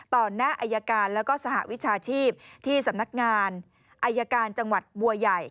หน้าอายการแล้วก็สหวิชาชีพที่สำนักงานอายการจังหวัดบัวใหญ่